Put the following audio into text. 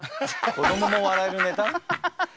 子どもも笑えるネタ？